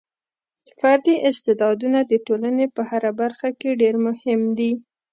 فردي استعدادونه د ټولنې په هره برخه کې ډېر مهم دي.